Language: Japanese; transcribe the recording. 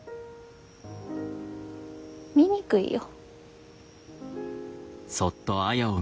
醜いよ。